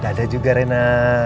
dadah juga rena